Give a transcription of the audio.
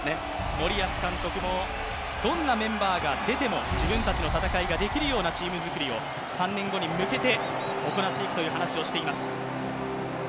森保監督もどんなメンバーが出ても自分たちの戦いができるようなチーム作りを３年後に向けて行っていくという話をしています。